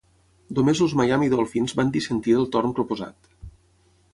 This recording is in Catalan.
Només els Miami Dolphins van dissentir del torn proposat.